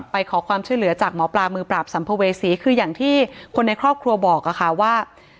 ไปขอความช่วยเหลือจากหมอปลามือปราบสัมภเวษีคืออย่างที่คนในครอบครัวบอกค่ะว่า